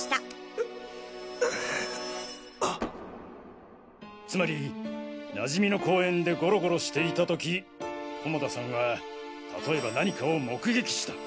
うううあつまり馴染みの公園でゴロゴロしていた時菰田さんはたとえば何かを目撃した。